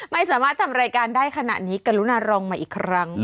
ไม่สามารถทำรายการได้ขนาดนี้กรุณารองมาอีกครั้ง